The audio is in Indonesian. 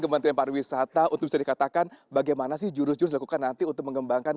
menularkan bagaimana mengembangkan